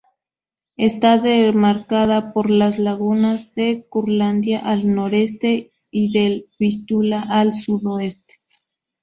Está demarcada por las lagunas de Curlandia al noreste y del Vístula al sudoeste.